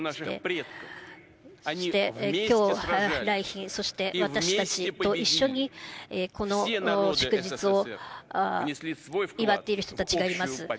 そしてきょう、来賓、そして私たちと一緒にこの祝日を祝っている人たちがいます。